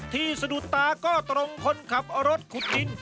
สะดุดตาก็ตรงคนขับรถขุดดิน